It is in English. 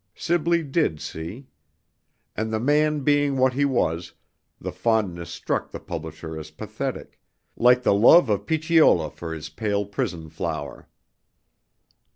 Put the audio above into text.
Sibley did see. And the man being what he was, the fondness struck the publisher as pathetic, like the love of Picciola for his pale prison flower.